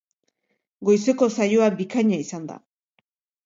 Goizeko saioa bikaina izan da.